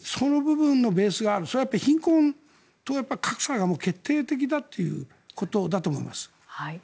その部分のベースが貧困と格差が決定的だということだと思います。